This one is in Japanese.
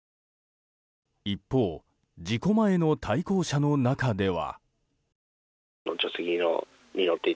一方事故前の対向車の中では。